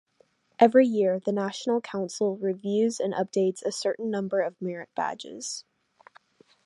Every year the National Council reviews and updates a certain number of merit badges.